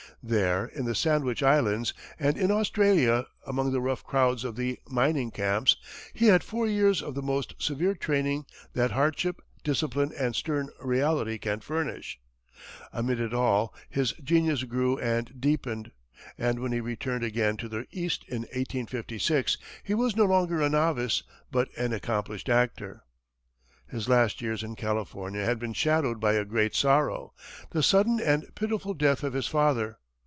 There, in the Sandwich Islands, and in Australia, among the rough crowds of the mining camps, he had four years of the most severe training that hardship, discipline, and stern reality can furnish. Amid it all his genius grew and deepened, and when he returned again to the east in 1856 he was no longer a novice, but an accomplished actor. His last years in California had been shadowed by a great sorrow the sudden and pitiful death of his father.